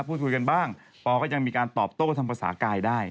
พูดคุยกันบ้างปอก็ยังมีการตอบโต้ทำภาษากายได้